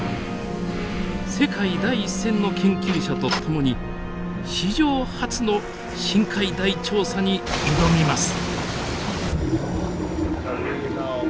世界第一線の研究者と共に史上初の深海大調査に挑みます。